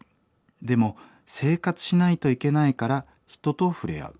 でも生活しないといけないから人と触れ合う。